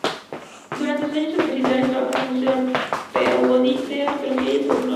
Durante sus años universitarios trabajó en el Museo Peabody de Arqueología y Etnología.